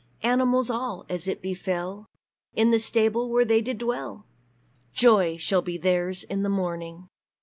Animals all, as it befell, In the stable where they did dwell! Joy shall be theirs in the morning!"